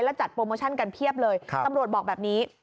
และจัดโปรโมชั่นกันเพียบเลยตำรวจบอกแบบนี้